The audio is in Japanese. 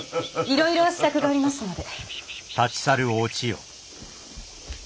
いろいろ支度がありますので。